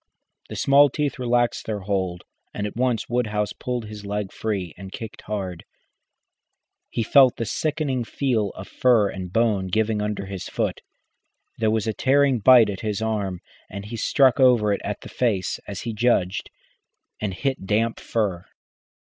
The small teeth relaxed their hold, and at once Woodhouse pulled his leg free and kicked hard. He felt the sickening feel of fur and bone giving under his boot. There was a tearing bite at his arm, and he struck over it at the face, as he judged, and hit damp fur.